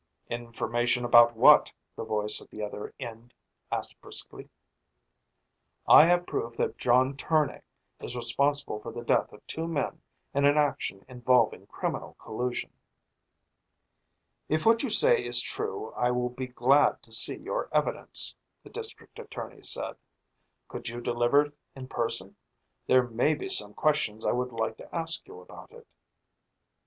"Information about what?" the voice at the other end asked briskly. "I have proof that John Tournay is responsible for the death of two men, in an action involving criminal collusion." "If what you say is true, I will be glad to see your evidence," the district attorney said. "Could you deliver it in person? There may be some questions I would like to ask you about it."